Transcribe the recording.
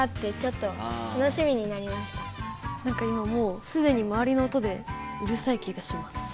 なんか今もうすでにまわりの音でうるさい気がします。